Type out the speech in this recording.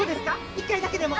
１回だけでも。